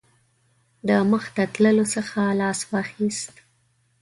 د مخته تللو څخه لاس واخیست.